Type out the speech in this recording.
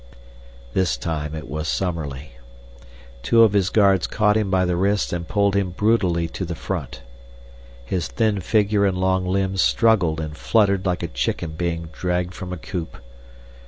This time it was Summerlee. Two of his guards caught him by the wrists and pulled him brutally to the front. His thin figure and long limbs struggled and fluttered like a chicken being dragged from a coop.